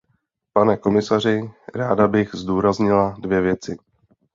Pane komisaři, ráda bych zdůraznila dvě věci.